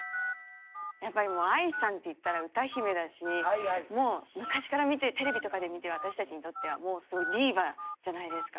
やっぱりＡＩさんっていったら歌姫だし昔から見てテレビとかで見て私たちにとってはもうすごいディーバじゃないですか。